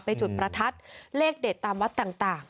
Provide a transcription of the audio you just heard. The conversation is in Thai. จุดประทัดเลขเด็ดตามวัดต่าง